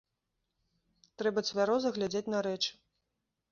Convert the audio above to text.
Трэба цвяроза глядзець на рэчы.